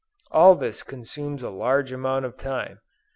All this consumes a large amount of time.